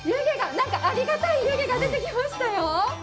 なんか、ありがたい湯気が出てきましたよ。